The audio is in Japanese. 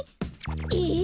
えっ？